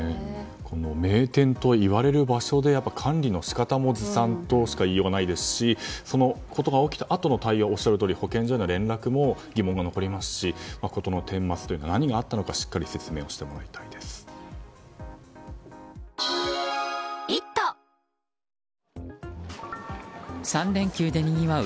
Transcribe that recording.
この名店と言われる場所で管理の仕方もずさんとしか言いようがないですしそのことが起きたあとの対応おっしゃるとおり保健所への連絡も疑問が残りますし事の顛末、何があったのか３連休でにぎわう